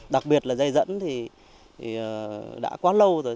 đặc biệt là dây dẫn đã quá lâu rồi